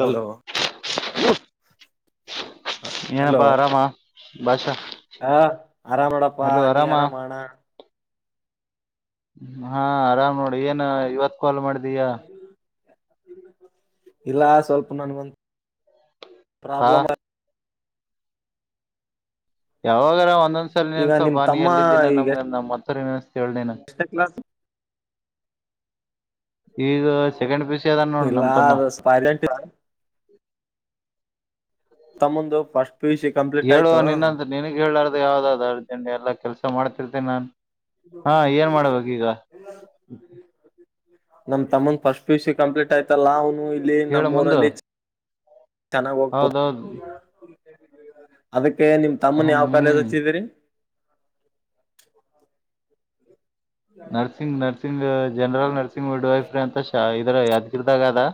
Hello [unintelligible] hello ಏನಪ್ಪಾ ಆರಾಮಾ? ಬಾಷಾ ಹ ಆರಾಮ್ ನೋಡಪ್ಪಾ ನೀ ಆರಾಮ ಅಣ? ಹಾ ಆರಾಮ್ ನೋಡಿ ಏನ ಇವತ್ ಕೋಲ್ ಮಾಡಿದೀಯ? ಇಲ್ಲ ಸ್ವಲ್ಪ ನನಗೊಂದ್ ಹಾ ಪ್ರಾಬ್ಲಮ್ ಆ ಯಾವಾಗರ ಒನ್ನೊಂದ್ ಸಲಿ ಈಗ ನಿಮ್ ನೆನ್ಸಪ್ಪ ನೀ ತಮ್ಮ ಎಲ್ಲಿದಿನ ಈಗ ನಮ್ಗ ನಮ್ ಸರಿನಾ? ಹೇಳ್ ನೀನು ಎಷ್ಟನೇ ಕ್ಲಾಸ್ ಈಗ ಸೆಕೇಂಡ್ ಪಿ ಯು ಸಿ ಅದಾನ ನೋಡ್ ನಮ್ ಇಲ್ಲಾ ತಮ್ಮ ಅದು ಸ್ಪಾಜೇಂಟಿಯ ತಮ್ಮಂದು ಪಸ್ ಹೇಳುವ ನಿನ್ನಂತ ನಿನಗ್ ಹೇಳಾರ್ದ ಯಾವ್ದದ ಎಂಡ್ ಎಲ್ಲಾ ಕೆಲ್ಸ ಮಾಡ್ತಿರ್ತೇನೆ ನಾನ್ [unintelligible] ಹಾ ಏನ್ ಮಾಡ್ಬೇಕ ಈಗ ನಮ್ಮ ತಮ್ಮನ್ first P U C complete ಆಯ್ತಲ್ಲ ಅವ್ನ್ ಇಲ್ಲಿ ಹೇಳ ನಮ್ಮ ಮುಂದು ಊರಲ್ಲಿ ಚ್ ತೆನಾಗ್ ಓಗ್ಪುತ್ ಹೌದೌದು ಅದಿಕ್ ಕ್ಕೆ ನಿಮ್ ತಮ್ಮನ್ ಯಾವ ಕಾಲೇಜ್ ಹ್ಮ್ ಹಚ್ಚಿದೀರಿ? [unintelligible] Nursing nursing general nurse ಇಂಗ್ wood ವೈಫ್ರೆ ಅಂತ ಶಾ ಇದ್ರಾಗ್ ಯಾ ದ್ರ ದಾಗದಾ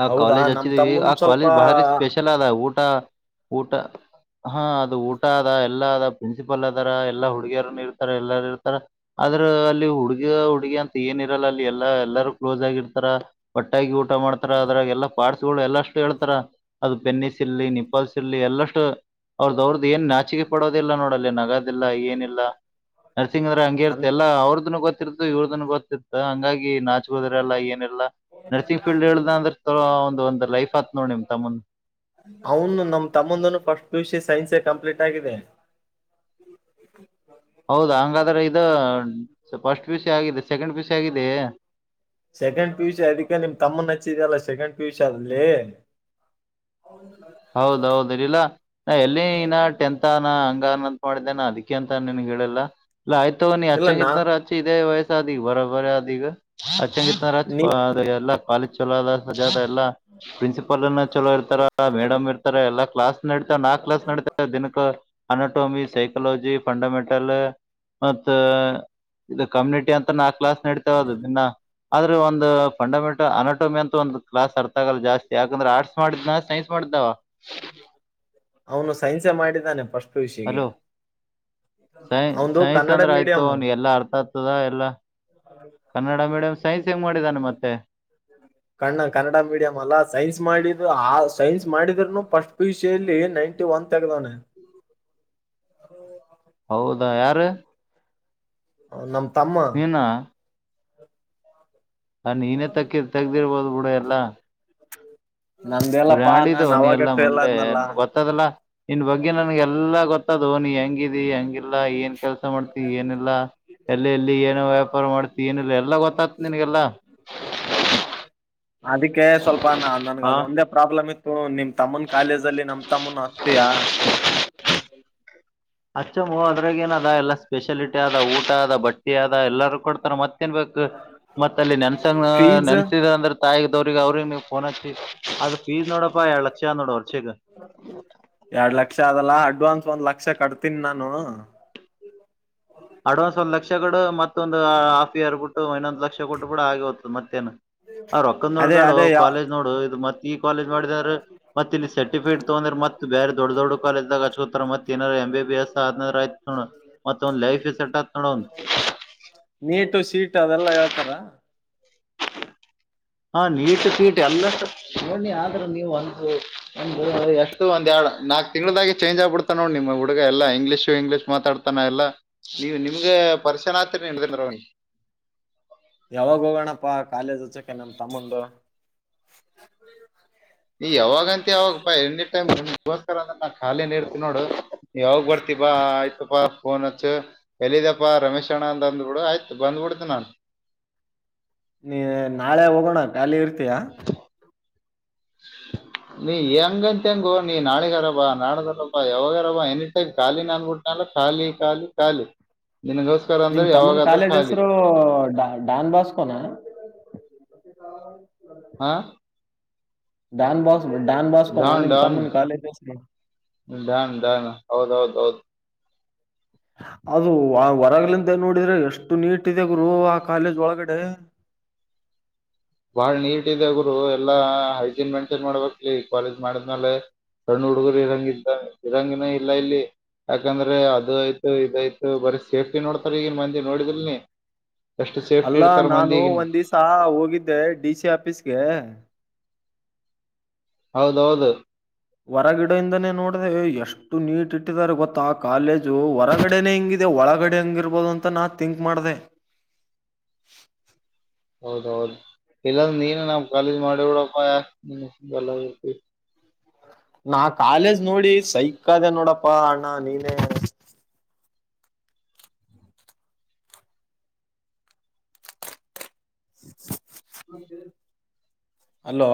ಆ ಹೌದಾ ಕಾಲೇಜ್ ನಮ್ ಅಚ್ಚಿದಿವಿ ತಮ್ಮನ್ ಆ ಸ್ವಲ್ಪ ಕಾಲೇಜ್ ಭಾರಿ ಸ್ಪೆಷಲ್ ಅದ ಊಟ ಊಟ ಹಾ ಅದು ಊಟ ಅದ ಎಲ್ಲ ಅದ ಪ್ರಿನ್ಸಿಪಲ್ ಅದಾರ ಎಲ್ಲಾ ಹುಡುಗಿಯರನು ಇರ್ ತಾರ ಎಲ್ಲಾರು ಇರ್ತಾರ ಆದ್ರ ಅಲ್ಲಿ ಹುಡುಗಿ ಹುಡುಗಿ ಅಂತ ಏನ ಇರಲ್ಲ. ಅಲ್ಲಿ ಎಲ್ಲಾ ಎಲ್ಲಾರ ಕ್ಲೋಸ್ ಆಗಿ ಇರ್ತಾರ ಒಟ್ಟಾಗಿ ಊಟ ಮಾಡ್ತಾರ. ಅದ್ರಾಗ ಎಲ್ಲಾ ಪಾರ್ಟ್ಸ್ ಗಳು ಎಲ್ಲ ಅಷ್ಟು ಹೇಳ್ತಾರ ಅದು ಪೆನ್ನಿಸ್ ಇರ್ಲಿ ನಿಪಲ್ಸಿರ್ಲಿ ಎಲ್ಲಷ್ಟು ಅವ್ರದವ್ರದ್ ಏನ್ ನಾಚಿಕೆ ಪಡೋದಿಲ್ಲ ನೋಡ ಅಲ್ಲಿ ನಗದಿಲ್ಲ ಏನಿಲ್ಲ. ನರಸಿಂಗ್ಂದ್ರ ಹಂಗಿ ಅನ್ ಇತೆ ಎಲ್ಲ ಅವರು ಗೊತ್ತಿತತ್ತು ಇವ್ರದನ್ ಗೊತ್ತಿರ್ತ ಹಂಗಾಗಿ ನಾ ದ್ರಲ್ಲ ಏನಲ್ಲಾ ನರ್ಸಿಂಗ್ ಫೀಲ್ಡ್ ಹೇಳುದ ಅಂದ್ರ ಒಂದ ಒಂದ್ ಲೈಫ್ ಆತ್ ನೋಡ್ ನಿಮ್ ತಮ್ಮಂದ ಸೈನ್ಸ ಕಂಪ್ಲೀಟ್ ಆಗಿದೆ ಹೌದ ಹಂಗಾದ್ರೆ ಇದು ಫಸ್ಟ್ ಪಿ ಯು ಸಿ ಆಗಿದೆ ಸೆಕೆಂಡ್ ಪಿ.ಯು.ಸಿ. ಆಗಿದೆ. ಸೆಕೆಂಡ್ ಪಿಯುಸಿ ಅದಕ್ಕೆ ನಿಮ್ ತಮ್ಮ ನಚ್ಚಿದಲ್ಲ ಸೆಕೆಂಡ್ [unintelligible] ಹೌದೌದ ಇಲ್ಲ ಎಲ್ಲಿ ಅನ ಟೆಂತ್ನ ಹಂಗಾನ ಮಾಡಿದ್ದೇನೆ ಅದಕ್ಕೆ ಅಂತ ನಿನ್ಗ್ ಹೇಳಿಲ್ಲ ಇಲ್ಲ ಆಯ್ತು ನೀ ಇಲ್ಲ ನಾ ಹಚ್ಚಂಗಿರ್ತಾರ ಅಚ್ಚ ಇ ಇದೇ ವಯಸ್ ಧಿ ಬರಬ ಅಧಿಗ ಸಂಗೀತ್ನಾಜ್ ನೀ ಎಲ್ಲ ಕಾಲೇಜ್ ಚಲೋದ ಸಜಾದ ಎಲ್ಲಾ ಪ್ರಿನ್ಸಿಪಾಲ್ ನ್ನಿ ಚಲೋ ಇರ್ತಾರ ಮಡಮ ಎಲ್ಲ ಕ್ಲಾಸ್ ನಡೀತಾವವೆ ನಾಲ್ಕು ಕ್ಲಾಸ್ ನಡತೇವೆ ದಿನಕ್ಕೆ ಅನೋಟೊಮಿ ಸೈಕಲಜಿ ಫಂಡಮೆಂಟಲ್ ಮತ ಇದು ಕಮ್ಯುನಿಟಿ ಅಂತ ನಾಲ್ಕ ಕ್ಲಾಸ್ ನಡತೇವೆದು ದಿನ್ನ ಆದ್ರೆ ಒಂದು ಫಂಡಮೆಂಟಲ್ ಅನಾಟಮಿ ಅಂತ ಒಂದು ಕ್ಲಾಸ್ ಅರ್ತ ಆಗಲ್ಲ ಜಾಸ್ತಿ ಯಾಕಂದ್ರ ಆರ್ಟ್ಸ್ ಮಾಡಿದ್ನ ಪಡ್ದಾವ ಹ್ಮ್ ಹ್ಮ ಅವನು ಸೈನ್ಸೆ ಮಾಡಿದ್ದಾನೆ ಫಸ್ಟ್ ವಿಷಯ ಹಲೋ ಸೈ ಸೈನ್ಸ್ ಅಂದ್ರ ಆಯ್ತು ಅವ ಎಲ್ಲಾ ಅರ್ಥತ್ ತದಾ ಎಲ್ಲ ಮತ್ತೆ ಕಣ್ಣ ಕನ್ನಡ ಮೀಡಿಯಂ ಅಲ್ಲ ಸೈನ್ಸ್ ಮಾಡಿದು ಆ ಸೈನ್ಸ್ ಮಾಡಿದ್ರನು ಫಸ್ಟ್ ಪೊಸಿಷಿಯಲ್ಲಿ ನೈಂಟಿ ಒನ್ ತೆಗ್ದಾನೆ ಹೌದಾ ಯಾರು ಹ ನಮ ಇ ಹ ನೀನೇ ತಕ್ಕಿ ತೆಗ್ದಿರ್ಬೋದು ಬಿುಡ ಎಲ್ಲಾ ನಂದೆಲ್ಲಪ್ಪಾ ಗ್ರಾಡಿದು ನಾನ್ ನೀ ಅವಾಗ ಎಲ್ಲ ಫೇಲ್ ಮೊದ್ಲೆೇ ಆದ್ನಲ್ಲ ನನ್ಗೆ ಗೊತ್ತದಲ್ಲಾ ಇನ್ ಬಗ್ಗೆ ನನ್ಗೆಲ್ಲಾ ಗೊತ್ತಾದ ಓ ನೀ ಹೆಂಗಿದಿ ಹೆಂಗಿಲ್ಲಾ ಏನ್ ಕೆಲ್ಸ ಮಾಡ್ತಿ ಏನಿಲ್ಲಾ ಎಲ್ಲಿ ಎಲ್ಲಿ ಏನ ವ್ಯಾಪಾರ ಮಾಡ್ತಿ ಏನಿಲ್ಲ ಎಲ್ಲಾ ಗೊತ್ತತ ನನ್ಗೆಲ್ಲಾ ಅದಕ್ಕೆ ಸ್ವಲ್ಪ ನಾ ಅಂದನ್ಗ ಅದು ಒಂದೇ ಪ್ರಾಬ್ಲಮ್ ಇತ್ತು ನಿಮ್ ತಮ್ಮನ್ ಕಾಲೇಜ್ ಅಲ್ಲಿ ನಮ್ ತಮ್ಮನ್ ಹಚತಿಯಾ ಅಚ್ಚಮ್ಮ ಅದ್ರಾಗ ಏನ ಅದ ಎಲ್ಲಾ ಸ್ಪೆಷಾಲಿಟಿ ಅದ ಊಟ ಅದ ಬಟ್ಟಿ ಅದ ಎಲ್ಲಾರೂ ಕೊಡ್ತಾರೆ ಮತ್ತ ತಿನ್ಬೇಕು ಮತ್ತ ಅಲ್ಲಿ ನೆನ್ಸನ್ ಫೀಸ್ ನೆನ್ಸಿದ ಅಂದ್ರೆ ತಾಯಿ ಅವರಿಗೆ ಅವರಿಗೆನಚ್ಚಿ ಅದು ಫೀಸ್ ನೋಡಪ್ಪ ಎರಡ ಲಕ್ಷ ನೋಡ ವರ್ಷಿಗ ಎರಡ್ ಲಕ್ಷ ಅದಲ್ಲ ಅಡ್ವಾನ್ಸ್ ಒಂದ್ ಲಕ್ಷ ಕಟ್ತೀನಿ ನಾನು ಅಡ್ವಾನ್ಸ್ ಒಂದ ಲಕ್ಷಗಳು ಮತ್ತ ಮತ್ತೊಂದು ಹಾಫ್ ಇಯರ್ ಬಿಟ್ಟು ಇನ್ನೊಂದಂದು ಲಕ್ಷ ಕೊಟ್ಟು ಕೂಡ ಆಗಿ ಹತದ ಮತ್ತೇನ್ ಅವ್ ರೊಕ್ಕಂದ್ ಅದೇ ನೋಡ್ಬೇಡು ಅದೇ ಕಾಲೇಜ್ ನೋಡು ಇದು ಮತ್ತೆ ಕಾಲೇಜ ಮಾಡಿದ ಮತ್ತ ಇಲ್ಲಿ ಸರ್ಟಿಫಿಕೇಟ್ ತಗೊಂಡ್ರ ಮ ಬೇರೆ ದೊಡ್ಡ ದೊಡ್ಡ ಕಾಲೇಜ ದಾಗಿ ಹಚ್ಕತಾರೆ ಮೆ ಎಂ ಬಿ ಎಸ್ ಆದ್ತ ಮತ್ತಂದು ಲೈಫ್ ಸೆಟ್ ಆತ್ ನೋಡ ಒಂದ್ ನೀಟು ಸೀಟು ಅದೆಲ್ಲಾ ಹೇಳ್ತಾರ ಹಾ ನೀಟ ಸಟ್ ಎಲ್ಲಷ್ಟು ನೋ ಆದ್ರ ನೀವ ಒಂದ ಒ ಎಷ್ಟು ಒಂದ್ ಎರಡ್ ನಾಕ್ ತಿಂಗಳದಾಗಿ ಚೇಂಜ್ ಆಗ್ಬಿಡ್ತಾ ನೋಡ್ ನಿಮ್ ಹುಡುಗ ಎಾ ಇಂಗ್ಲಿಷು ಇಂಗ್ಲಿಷ್ ಮಾತಾಡ್ತಾನ ಎಲ್ಲ ನೀವ್ ನಿಮ್ಗೆ ಪರಿಚನ. ಯಾವಾಗ ಹೋಗೋಣಪ್ಪಾ ಕಾಲೇಜ್ ಹಚ್ಚಕ ನಮ ತಮ್ಮಂದು ನೀ ಯಾವಾಗಂತ ಯಾವಾಗ. ಗೋಸ್ಕರ ಅ್ರ ನ ಲಿನ ನೀ ಇಡ್ತಿವಿ ನೋಡು. ಯಾವಾಗ್ ಬರ್ತಿ ಬಾ ಆಯ್ತಪ್ಪಾ. ಕೋ ನ್ಚ್ಚ. ಎಲ್ಲಿದಪ್ಪ ರಮೇಶ್ಣ್ ಅಂತಂದು. ನಡ ಆಯ್ತು ಬಂದ್ಬಡ್ತ ನಾನು. ನೀ ನಾಳೆ ಹೋಗೋಣ ಖಾಲಿ ಇರ್ತೀಯಾ. [unintelligible] ನೀ ಹೆಂಗಂತ ಹೆಂಗ. ನೀ ನಾಳಗಾರಬಾ ನಾಡದಾರಬಾ ಯಾವಾಗಾರಬಾ ಎನಿಟೈಮ್ ಖಾಲಿ ಅನ್ಬುಟ್ಟನಲ್ಲ ಖಾಲಿ ಖಾಲಿ ಖಾಲಿ. ನಿನಗೋಸ್ಕರ ನಿಮ್ ಅಂದ್ರೆ ತಮ್ಮನ ಯಾವಾಗಾದ್ರೂ ಕಾಲೇಜ್ ಖಾಲಿ ಹೆಸರುಡ ಡಾನ್ ಬಾಸ್ಕೋನ. ಮ ಕಾರ. ಹಾ. ನ್ ಬಸ್ ಧಾನ್ ನ್ ಧಾನ್ ನ್ ಹೌದ್ ಹೌದು. ಬೌದು ಅದು ಹೊರಗಲಿಂದ ನೋಡಿದ್ರೆ ಎಷ್ಟು ನೀಟ್ ಇದೆ ಗುರು ಆ ಕಾಲೇಜ್ ಒಳಗಡೆ ಬಾಳ್ ನೀಟ್ ಇದೆಗುರು ಎಲ್ಲಾ ಹೈಜೀನ್ ಮೆಂಟೈನ್ ಮಾಡ್ಬೇಕಕ್ಲಿ ಕಾಲೇಜ್ ಮಾಡಿದ್ಮೇಲೆ ಸಣ್ಣ ಹುಡುಗರು ಇರಂಗ್ದ ಇರಂಗಿನ ಇಲ್ಲ ಇಲ್ಲಿ ಯಾಕಂದ್ರೆ ಅದು ಆಯ್ತು ಇದಯ್ತು ಬತ ಸೇಫ್ಟಿ ನೋಡ್ತಾರೆ ಈಗ ಮಂದಿ ನೋಡಿದೇ ಅಲ್ಲಾ ನಾನು ಒಂದ್ ದಿವ್ಸ ಹೋಗಿದ್ದೆ ಡಿ ಸಿ ಆಫೀಸ್ಗೆ ಹೌದೌದು ಹೊರಗಿಡ ಇಿಂದಾನೇ ನೋಡ್ದ ಎಷ್ಟು ನೀಟ್ ಇಟ್ಟಿದಿದ್ದಾರೆ ಗೊತ್ತಾ ಆ ಕಾಲೇಜು ಹೊರಗಡೆನೆೇ ಹಿಂಗಿದೆ ಒಳಗಡೆ ಹಂಗಿರ್ಬೋದು ಅಂತ ನಾ ತಿಂಕ್ ಮಾಡ್ದ. ಹೌದೌದು ಇಲ್ಲಂದ್ರ ನೀನು ನಾವ್ ಕಾಲೇಜ್ ಮಾಡಿಡಪ್ಪ ಎಲ್ಲರ್ತಿ. ನಾ ಕಾಲೇಜ್ ನೋಡಿ ಸೈಕ್ ಅದೇ ನೋಡಪ್ಪ. ಅಪ್ಪಾ ಅಣ್ಣ ನೀನೇ. [unintelligible] ಹದ. ಅಲೋ.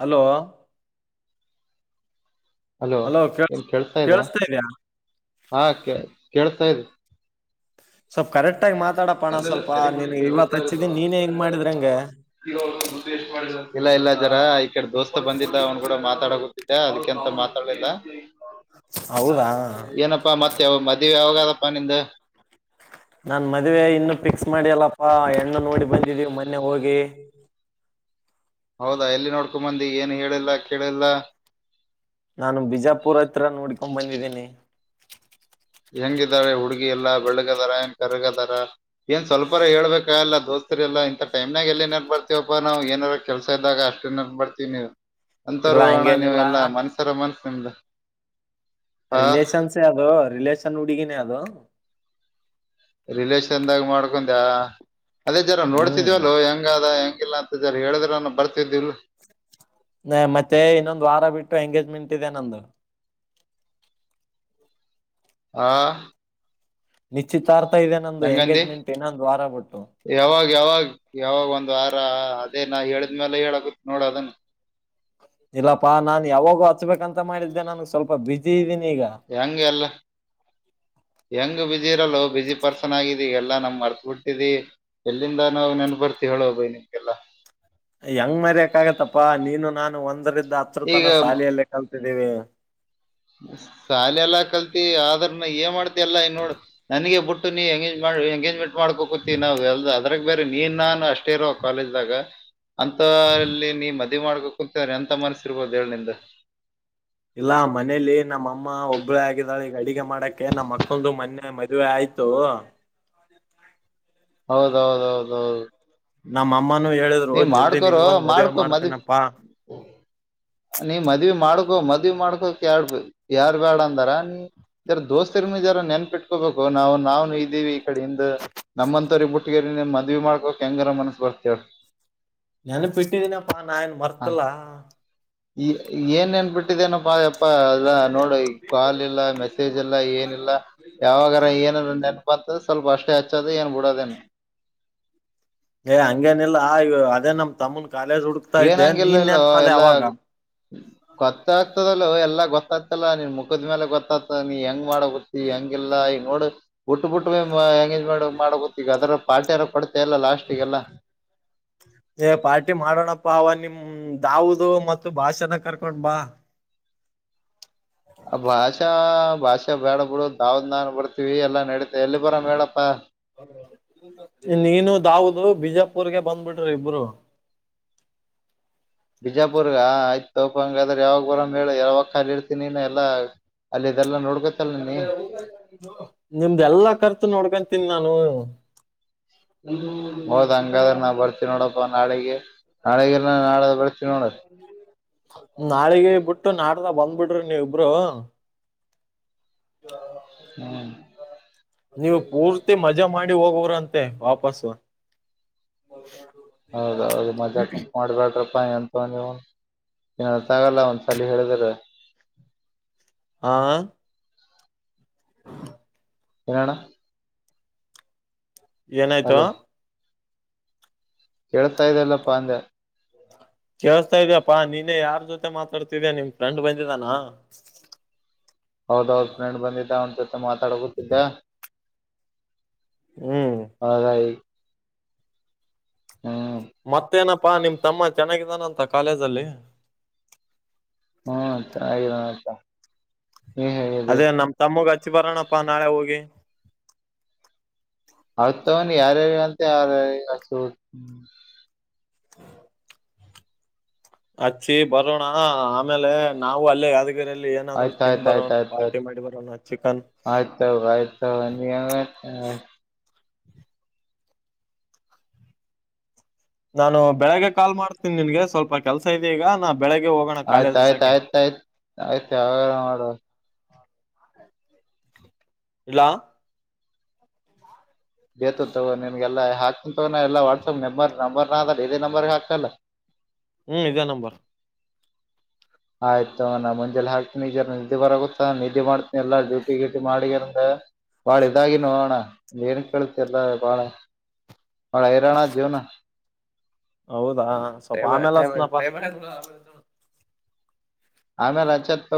ಹಲೋ. ಹಲೋ ಕ ಏನ್ ಕೇಳ್ಸ್ತಾ ಇದೆ ಕೇೇಳಸ್ತಾ ಇದ್ಯಾ. ಹಾ ಕ ಕೇೇಳಸ್ತಾ ಇದಿ. ಸಬ್ ಕರೆಕ್ಟ್. ಆಗಿ ಮಾತಾಡಪ್ಪಣ ಅದೆಲ್ಲ ಸ್ವಲ್ಪ ಸರಿ ಬಿಡಿ ನೀನ್ ಇವತ್ ಹೇಳ್ತಾ ಇತ ಹಚ್ಚಿದೀನಿ ನೀನೇ ಹಿಂಗ್ ಮಾಡಿದ್ರಂಗೆ ದುಡ್ ಎಷ್ಟ್ ಮಾಡಿದ ಇಲ್ಲಾ ಇಲ್ಲ ಈಡೆ ದೋಸ್ತ ಬಂದಿದ್ದ ಅವ್ ಕೂಡ ಮಾತಾಡ ಅದಕ್ಕೆಂತ ಮಾತಾಡ್ಲಿಲ್ಲ ಹೌದಾ ಏನಪ್ಪಾ ಮತ್ತೆ ಯಾವಗ ಮದುವೆ ಯಾವಾಗಾದಪ್ಪಾ ನಿಂದು ನಾನ್ ಮದ್ವೆ ಇನ್ನು ಫಿಕ್ಸ್ ಮಾಡಿಯಲ್ಲಪ್ಪಾ ಹೆಣ್ಣು ನೋಡಿ ಬಂದಿದೀವಿ ಮೊನ್ನೆ ಹೋಗಿ ಹೌದಾ ಎಲ್ಲಿ ನೋಡ್ಕೊ ಬಂದಿ ಏನು ಹೇಳಿಲ್ಲ ಕೇಳಿಲ್ಲ ನಾನು ಬಿಜಾಪುರ ಹತ್ರ ನೋಡ್ಕೊಂಡ್ ಬಂದಿದ್ದೇನೆ ಹೆಂಗಿದಾರೆ ಹುಡ್ಗಿ ಎಲ್ಲ ಬೆಳಗದಾರ ಹೆಂಗ ಕರಗದಾರ ಏನ್ ಸ್ವಲ್ಪರ ಹೇಳ್ಬೇಕ ಎಲ್ಲ ದೋಸ್ತರೆ ಎಲ್ಲ ಇಂ ಟೈಮ್ನಾಗ ಎಲ್ಲಿ ನೆನ್ ಬರ್ತತಿವಪ್ಪಾ ನಾವು ಏನಾರ ಕೆಲ್ಸ ಇದ್ದಾಗಅಷ್ಟೇ ನೆನಪು ಬರ್ತೀವಿ ನೀವು ಅಂತ ಇಲ್ಲ ರೋಹಣ ಹಂಗೇನಿಲ್ಲ ನೀವೆಲ್ಲ ಮನ್ಸರ ಮನ್ಸ [inaudible] ರಿಲೇಷನ್ಸ್ ಅದು ರಿಲಷನ್ ಹುಡುಗಿನೆ ಅದು ರಿಲೇಷನ್ದಾಗ ಮಾಡ್ಕೊಂಡ್ಯಾ ಅದೇ ಜರ ಹ್ಮ್ ನೋಡ್ತಿದ್ವಲ್ ಹೆಂಗ ಆದ ಹಂಗಿಲ್ಲ ಅಂತ ಜರ್ ಹೇಳಿದ್ರಾನ ಬರ್ತಿದ್ದಿಲ್ ಮತ್ತೆ ಇನ್ನೊಂದು ವಾರ ಬಿಟ್ಟು ಎಂಗೇಜ್ಮೆಂಟ್ ಇದೆ ನಂದು ಆ ನಿಶ್ಚಿತ ರ್ತಾ ಇದೆ ನಂದುಂದು ಹೆಂಗಂದಿ ಎಂಗೇಜ್ಮೆಂಟ್ ಏನೊಂದು ವಾರ ಬಿಟ್ಟು ಯಾವಾಗ ಒಂದ್ ವಾರ ಅದೇ ನಾ ಹೇಳಿದ್ಮೇಲೆ ಹೇಳಕ ನೋಡ ಅದನ್ನು ಇಲ್ಲಪ್ಪಾ ನಾನ್ ಯಾವಾಗೂ ಹಚ್ಬೇಕಂತ ಮಾಡಿದ್ದೆ ನನ್ಗ್ ಸ್ವಲ್ಪ ಬಿಸಿ ಇದೀನ ಹೆಂಗ ಎಲ್ಲ ಹೆಂಗ್ ಬಿಜಿ ಇರಲ್ಲ ಬಿ ಜಿ ಪರ್ಸನ್ ಆಗಿದೀಲ್ಲ ಎಲ್ಲ ನಮ್ ಮರ್ತ್ ಬಿಟ್ಟಿದಿ ಎಲ್ಲಿಂದ ನಾವ್ ನೆನ್ಪ ಬರ್ತಿ ಹೇಳೋ ಬೈ ನಿಮ್ಗೆಲ್ಲ ಹೆಂಗ್ ಮರಿಕ್ ಆಗತ್ತಪ್ಪಾ ನೀನು ನಾನು ಒಂದ ಈಗ ಹತ್ರತನ ಶಾಲಿಅಲ್ಲೇ ಕಲ್ ಇದೀವಿ ಶಾಲೆ ಎಲ್ಲಾ ಕಲ್ತಿ ಆದ್ರನ ಏನ್ ಮಾಡ್ತಿ ಎಲ್ಲ ಇನೋ ನನಗೆ ಬುಟ್ಟ ನೀ ಎಂಗೇಜ್ಮೆಂಟ್ ಮಾಡ್ಕೋಕತಿವಿ ನಾವು ಎಲ್ಲಾ ಅದ್ರಾಗ ಬೇರೆ ನೀ ನಾನು ಅಷ್ಟೇ ಇರ ಕಾಲೇಜ್ದಾಗ ಅಂತ ಇಲ್ಲಿ ನೀ ಮದ್ವಿ ಮಾಡ್ಬೇಕ ಕುಂತ ಎಂತ ಮನಸಿರ್ಬೋದು ಹೇಳಿ ನಿಂದು ಇಲ್ಲಾ ಮನೇಲಿ ನಮ್ಮಮ್ಮ ಒಬ್ಬಳೆ ಆಗಿದಾಳೆ ಈಗ ಅಡಿಗೆ ಮಾಡಕ್ಕೆೆ ನಮ್ಮ್ ಮಕ್ಕಂದು ಮೊನ್ನೆ ಮದುವೆ ಆಯ್ತು. ಹೌದೌದೌದೌದು. ನಮ್ಮ. ಅಮ್ಮನೂ ಹೇಳಿದ್ರು ನೀ್ ಜಲ್ದಿ ಮಾಡ್ಕೊರೋ ನಿನ್ಗೊಂದ್ ಮದ್ವೆ ಮಾಡ್ಕೊ ಮದ್ವಿ ಮಾಡ್ತೀನಪ್ಪಾ ನೀ ಮದ್ವಿ ಮಾಡ್ಕೊ ಮದ್ವಿ ಮಾಡ್ಕೋ. ಳ್ ಯಾರ್ ಬ್ಯಾಡ ಅಂದಾರ ನೀಾರ ದೋಸ್ತರ್ ಜಾರ ನೆನ್ಪಿಟ್ಕೋಬೇಕು ನಾವು ನಾವ್ ಇದ್ದೀವಿ ಈ ಕಡೆ ಹಿಂದ ನಮ್ಮಂತವರಿ ಬುಟ್ಟಗರಿ ಮದ್ವಿ ಮಾಡ್ಕೋಕ್ ಹೆಂಗರ ಮನಸ್ ಬರ್ತಿ. ನೆನಪಿಟ್ಟಿದೀನಪ್ಪಾ ನಾ ಏನ್ ಹ ಮರ್ತಿಲ್ಲ ಈ ಏನ್ ನೆನ್ಬಿಟ್ಟಿದ್ದೇನಪ್ಪ ಯಪ್ಪಾ ಅಲ್ಲ ನೋಡ ಕಾಲ್ ಇಲ್ಲ ಮೆಸೇಜ್ ಇಲ್ಲ ಏನಿಲ್ಲ ಯಾವಾಗಾರ ಏನಾರ ನೆನಪ ಅಂತ ಸ್ವಲ್ಪ ಅಷ್ಟೇ ಹಚ್ಚೋದು ಏನ್ ಬಿಡದೇನ. ಏ ಹಂಗೇನಿಲ್ಲಾ ಈ ಅದೇ ನಮ್ ತಮನ್. ಏನಂಗಿಲ್ಲಲ್ಲೋ ಎಲ್ಲ ಗೊತ್ತಾಗ್ತದಲ್ಲೋ ಎಲ್ಲಾ ಗೊತ್ತಾಗ್ತಲ್ಲ ನೀನ್ ಮುಖ. ಕದ್ಮೇಲೆ ಗೊತ್ತಾತ ನೀ ಹೆಂಗ್ ಮಾಡ ಗೊತ್ತಿ ಹೆಂಗಿಲ್ಲ ಈಗ ನೋ. ಬಿಟ್ಟ ಬಿಟ್ಟ ಎಂಗೇಜ್ಮೆ ಮಾಡ ಗೊತ್ತ ಈಗ ಅದರ ಪಾರ್ಟಿ ಯಾರ ಕೊಡ್ತಾ ಇಲ್ಲ ಲಾಸ್ಟಿಗೆಲ್ಲ. ನಿ ದಾವುದು ಮತ್ತು ಭಾಷಣ ಕರ್. ಬಾ [unintelligible] ಆ ಭಾಷಾ. ಭಾಷೆ ಬೇಡ ಬಿಹುದು ದಾವ್ ನಾನು ಬರ್ತೀವಿ ಎಲ್ಲ ನಡೀ. ನೀನು ದಾಾವದು ಬಿಜಾಪುರ್ಗೆ ಬಂದ್ಬಿಟ್ಟ. ಇಬರು. ಬಿಜಾಪುರ್ಗ ಆಯ್ತ. ತೋಪ ಹಂಗಾದ್ರೆ ಯಾವಾಗ ಬರ ಯಾವಾಗ ಕಾಲಿ ಇರ್ತೀನಿ ಎಲ್ಲ ಅಲ್ಲಿ ಇದೆಲ್ಲ ನೋಡ್ಕೊ. [unintelligible] ನಿಮ್ದ ಎಲ್ಲಾ ಕರ್ಚ್ ನೋಡ್ಕ- ತಿನ್ನಾನು. ಹೌದ ಹಂಗಾದ್ರೆ ನಾ ಬರ್ತೀವಿ ನೋಡಪ್ಪ ನಾಳಿಗೆ ನಾಳೆೆಗೆ ನಾಳೆ ಬೆರ್ತೀವಿ ನೋಡ. ಬಿಡ್ರಿ ನೀಬ್ರ. ಹ. ನೀವು ಪೂರ್ತಿ ಮಜಾ ಮಾಡಿ ಹೋಗುವರ. ತೆ ವಾಪಸ್. ಹೌದೌದು ಮಜ್ಜಾ ಕಂ ಮಾಡ್ಬೇಡ್ರ. ಪ ಅಂತ ನೀ. ಅರ್ಥ್ ಆಗಲ್ಲ ಒಂದ್ಸಲ ಹೇಳಿದ್ರೆ. ಹಾ. ಹ. ಎನಣ. ಏನಾಯ್ತು. ಕೇಳ್ತಾ ಇದ್ದಲ್ಲಪ್ಪಾ ಅಂದ. ಕೇಳಸ್ತಾ ಇದಪ್ಪಾ ನೀನ್ನ ಯಾರ. ಜೊತೆ ಮಾತಾಡ್ತಿದ್ಯಾ ನಿಮ್ ಫ್ರೆಂಡ್ ಬಂದಿದ್ದಾನ. ಹೌದೌದ ಫ್ರೆಂಡ್ ಬಂದಿದ್ದ ಒ ಮ ಮಾತಾಡ ಗುತ್ತಿದ್ದ ಹ್ಮ್ ಹೌದ ಹ್ಮ ಮತ್ತೇನಪ್ಪಾ ನಿಮ್ ತಮ್ಮ ಚೆನ್ನಾಗಿದ್ದಾನಂತ ಕಾಲೇಜಲ್ಲಿ ಹ್ಮ ಚನ್ನಗಿ ಇದಾನೆ [inaudible] ಅದೇ ನಮ್ ತಮ್ಮಗ್ ಹಚ್ಚಿ ಬರೋಣಪ್ಪಾ ನಾಳೆ ಹೋಗಿ ಅವ ತಗೊಂಡ ಯಾರ್ಯಾರ ಅಂತ ಯಾರಾರ ಹಚ್ಚಿ ಬರೋಣ ಆಮೇಲೆ ನಾವು ಅಲ್ಲೇಯಾವದು ಆಯ್ತಾಯಯ್ತ ಆಯ್ತ ಆಯ್ತ ಮಾಡಿ ಬರೋಣ ಚಿಕನ್ ಆಯ್ತು ಆಯ್ತ ಆಯ್ತ ನೀ್ ನಾನು ಬೆಳಿಗ್ಗೆ ಕಾಲ್ ಮಾಡ್ತ ನಿನ್ಗೆ ಸ್ವಲ್ಪ ಕೆಲಸ ಇದೆ ಈಗ ನಾ ಬೆಳಗ್ಗೆ ಹೋಗೋಣ ಆಯ್ತ್ ಕಾಲೇಜ್ ಆಯಯ್ತ ಹಚ್ಚಕ್ಕೆ. ಆಯ್ತ ಆಯ್ತ್ ಆಯ್ತ ಯಾವ ಮಾಡ ಇಲ್ಲಾ ಬೇತು ತಗೋ ನಿಮಗೆಲ್ಲ ಹಾಕನ್ ತಗೋ ಎಲ್ಲಾ ವಾಟ್ಸಪ್ ನಂಬರ್ ನಂಬರ್ನ ಅಲ್ಲ ಇದೇ ನಂಬರ್ಗೆ ಹಾಕಲ್ಲ ಹ್ಮ್ ಈದೇ ನಂಂಬರ್ ಆಯ್ತು ನಾ ಮಂಜಾಲೇ ಹಾಕ್ತೀನಿ ಈಗ ನಿದ್ದಿ ಬರ ಗೊತ್ತ ನಿಧಿ ಮಾಡ್ ಎಲ್ಲ ಡ್ಯೂಟಿ ಗ್ಯೂಟಿ ಮಾಡಿದಾರ ಹಾ ಬಾಳೆ ಇದಾಗಿ ನೋಣ ಏನ್ ಕೇಳತಿಲ್ಲ ಬಾಳ ಬಹಳ ಹೈರಾಣ ಜೀವ್ನ ಹೌದಾ ಸ್ವಲ್ಪ ಆಮೇಲ್ಲ ಹಚ್ಚತಿನಿ ಆಮ ರಾಜ್ಯತ್ [inaudible]